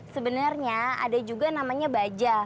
sebenarnya ada juga namanya baja